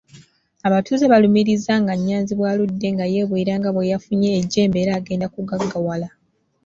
Abatuuze balumiriza nga Nyanzi bw'aludde nga yeewera nga bwe yafunye ejjembe era agenda kugaggawala.